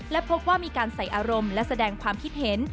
และพบว่ามีการใส่อารมณ์และแสดงความคิดเห็น